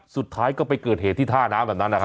สุดท้ายก็ไปเกิดเหตุที่ท่าน้ำแบบนั้นนะครับ